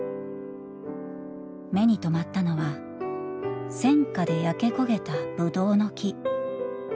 目に留まったのは戦火で焼け焦げたぶどうの木。